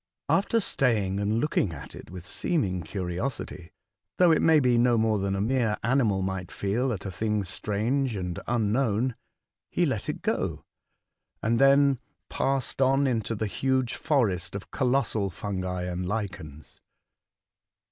After staying and looking at it with seeming curiosity — though it may be no more than a mere animal might feel at a thing strange and unknown, — he let it go, and then passed Saturn, 189 on into the huge forest of colossal fungi and lichens.